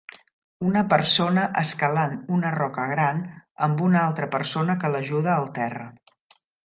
Una persona escalant una roca gran amb una altra persona que l'ajuda al terra